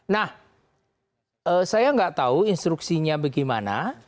nah saya nggak tahu instruksinya bagaimana